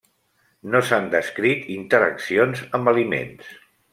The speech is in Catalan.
No s'han descrit interaccions amb aliments.